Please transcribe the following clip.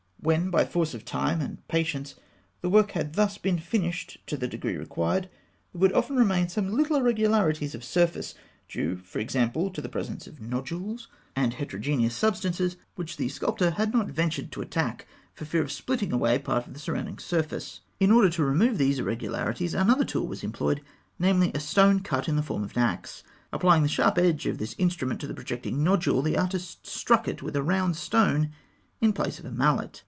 When, by force of time and patience, the work had thus been finished to the degree required, there would often remain some little irregularities of surface, due, for example, to the presence of nodules and heterogeneous substances, which the sculptor had not ventured to attack, for fear of splintering away part of the surrounding surface. In order to remove these irregularities, another tool was employed; namely, a stone cut in the form of an axe. Applying the sharp edge of this instrument to the projecting nodule, the artist struck it with a round stone in place of a mallet.